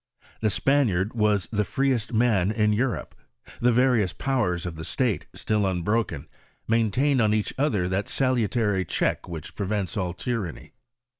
Tiie Spaniard was the freest man in Europe : the various pow ers of the state, still unbroken, maintained on each other that salutary check which prevents all tyranny.